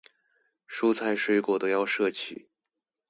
蔬菜水果都要攝取